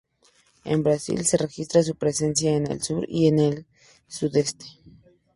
En Brasil se registra su presencia en el sur y en el sudeste.